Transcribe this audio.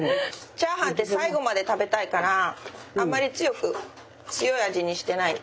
チャーハンって最後まで食べたいからあまり強い味にしてない。